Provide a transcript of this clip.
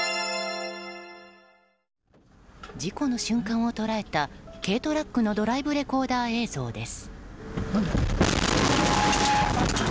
事故の瞬間を捉えた軽トラックのドライブレコーダー映像です。